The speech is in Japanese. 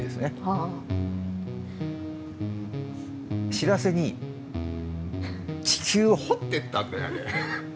知らせに地球を掘ってったんだよあれ。